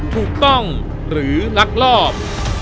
ถูกต้องหรือลักลอบ